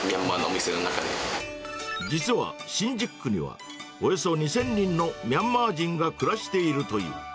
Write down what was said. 実は、新宿区には、およそ２０００人のミャンマー人が暮らしているという。